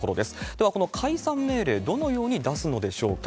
では、この解散命令、どのように出すのでしょうか。